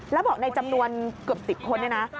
แล้วบอกในจำนวนเกือบ๑๐คน